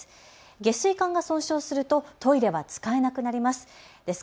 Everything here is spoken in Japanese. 下水管が損傷するとトイレは使えなくなります。